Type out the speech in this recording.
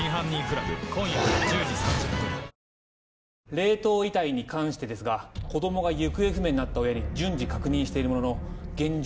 冷凍遺体に関してですが子供が行方不明になった親に順次確認しているものの現状